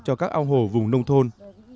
cho các ao hồ vùng nông thôn